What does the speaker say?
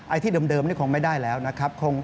ที่เดิมนี่คงไม่ได้แล้วนะครับ